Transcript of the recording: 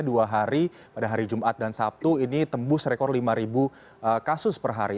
dua hari pada hari jumat dan sabtu ini tembus rekor lima kasus per hari